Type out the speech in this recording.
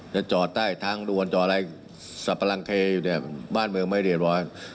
จะจอดได้ทั้งดวนจอดอะไรสัปลังเคบ้านเมืองไม่เรียบร้อย